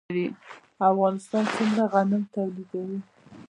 افغانستان څومره غنم تولیدوي؟